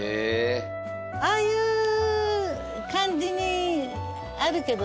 ああいう感じにあるけど。